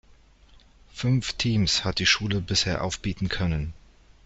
Fünf Teams hat die Schule bisher aufbieten können.